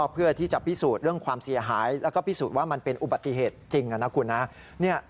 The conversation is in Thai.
เพื่อที่จะพิสูจน์เรื่องความเสียหายแล้วก็พิสูจน์ว่ามันเป็นอุบัติเหตุจริงนะคุณนะ